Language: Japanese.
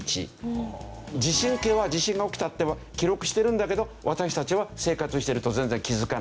地震計は地震が起きたって記録してるんだけど私たちは生活してると全然気付かない。